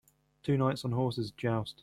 Two knights on horses joust.